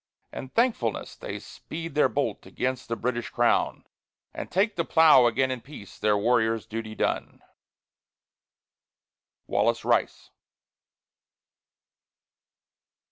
In thankfulness they speed their bolt against the British Crown; And take the plough again in peace, their warrior's duty done. WALLACE RICE.